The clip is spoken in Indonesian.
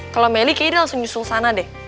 kalau meli kayaknya dia langsung nyusul sana deh